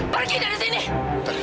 pergi dari sini